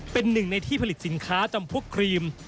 เป็นหนึ่งในที่ผลิตสินค้าจำคุกครีม